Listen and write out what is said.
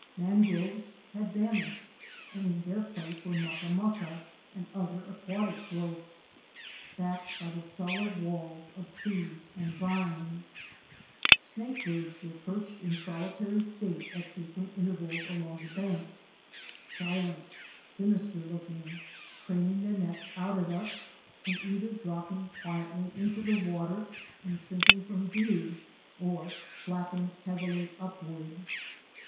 Mangroves had vanished and in their place were mucka mucka and other aquatic growths, backed by the solid walls of trees and vines. Fic. 104. A BUTTERFLY MIMICKING AN ORCHID. Snakebirds " were perched in solitary state at frequent intervals along the banks, — silent, sinister looking, craning their necks out at us and either dropping quietly into the water and sinking from view or flapping heavily upward.